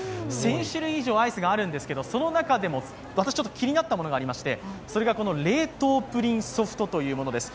１０００種類以上アイスがあるんですけど、その中でも私、気になったものがありましてそれがこの冷凍プリンソフトというものです。